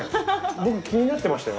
僕気になってましたよ。